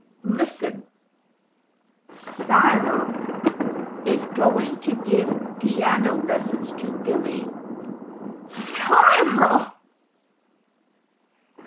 Listen; Cyril is going to give piano lessons to Billy! CYRIL!"